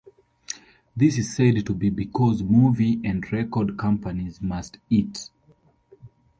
This is said to be because movie and record companies must eat.